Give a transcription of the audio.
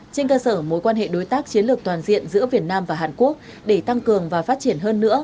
trên cơ sở mối quan hệ đối tác chiến lược toàn diện giữa việt nam và hàn quốc để tăng cường và phát triển hơn nữa